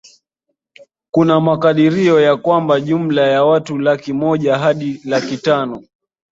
Kuna makadirio ya kwamba jumla ya watu laki moja hadi laki tano